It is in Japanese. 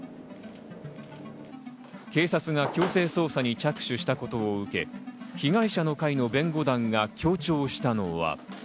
警察が強制捜査に着手したことを受け、被害者の会の弁護団が強調したのは。